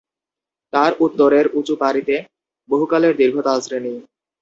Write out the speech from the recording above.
তার উত্তরের উঁচু পাড়িতে বহুকালের দীর্ঘ তালশ্রেণী।